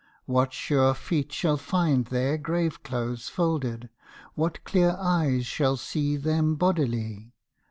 what sure feet Shall find their grave clothes folded? what clear eyes Shall see them bodily?